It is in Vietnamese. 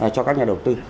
cho các nhà đầu tư